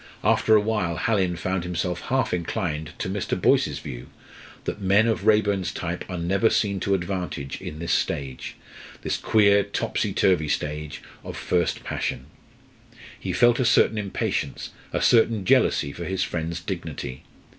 After a while Hallin found himself half inclined to Mr. Boyce's view, that men of Raeburn's type are never seen to advantage in this stage this queer topsy turvy stage of first passion. He felt a certain impatience, a certain jealousy for his friend's dignity.